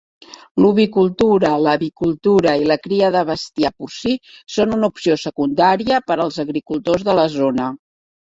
L'ovicultura, l'avicultura i la cria de bestiar porcí són una opció secundària per als agricultors de la zona.